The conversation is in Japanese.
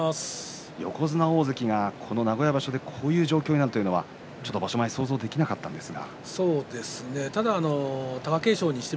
横綱、大関がこの名古屋場所でこういう状況になるというのは場所前想像できなかったんですが。